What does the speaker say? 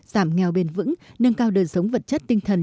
giảm nghèo bền vững nâng cao đời sống vật chất tinh thần